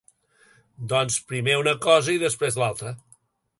Doncs, primer una cosa, després l'altra